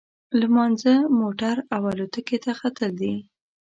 لمانځه، موټر او الوتکې ته ختل دي.